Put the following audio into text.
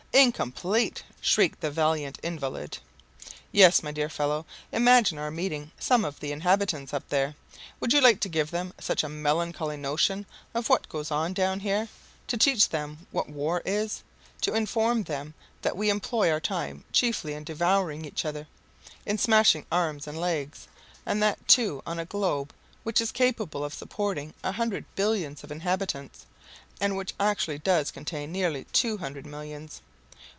"Incomplete?" shrieked the valiant invalid. "Yes, my dear fellow! imagine our meeting some of the inhabitants up there! Would you like to give them such a melancholy notion of what goes on down here? to teach them what war is, to inform them that we employ our time chiefly in devouring each other, in smashing arms and legs, and that too on a globe which is capable of supporting a hundred billions of inhabitants, and which actually does contain nearly two hundred millions?